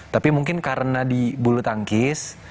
tapi mungkin karena di bulu tangkis